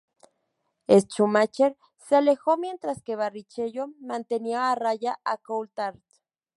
Schumacher se alejó, mientras que Barrichello mantenía a raya a Coulthard.